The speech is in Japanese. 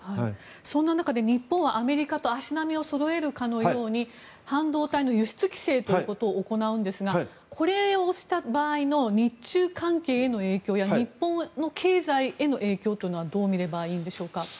そんな中、日本はアメリカと足並みをそろえるかのように半導体の輸出規制ということを行うんですがこれをした場合の日中関係への影響や日本の経済への影響はどう見ればいいですか。